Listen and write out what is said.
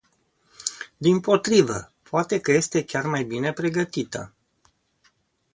Dimpotrivă, poate că este chiar mai bine pregătită.